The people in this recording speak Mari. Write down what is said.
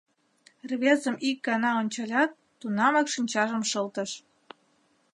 Рвезым ик гана ончалят, тунамак шинчажым шылтыш.